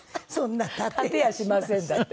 「立てやしません」だって。